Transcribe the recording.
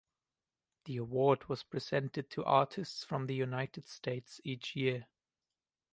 The award was presented to artists from the United States each year.